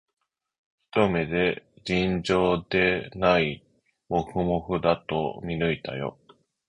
ひと目で、尋常でないもふもふだと見抜いたよ